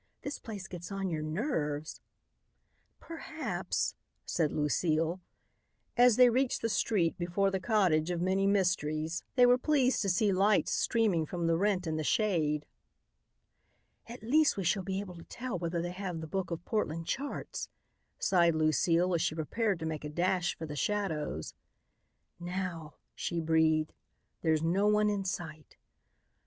"This place gets on your nerves." "Perhaps," said Lucile. As they reached the street before the cottage of many mysteries they were pleased to see lights streaming from the rent in the shade. "At least we shall be able to tell whether they have the book of Portland charts," sighed Lucile as she prepared to make a dash for the shadows. "Now," she breathed; "there's no one in sight."